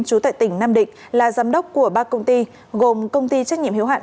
trú tại tỉnh nam định là giám đốc của ba công ty gồm công ty trách nhiệm hiếu hạn